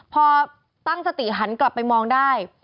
พอตั้งสติหันกลับไปมองได้